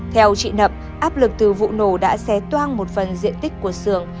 theo chị nầm áp lực từ vụ nổ đã xé toan một phần diện tích của sườn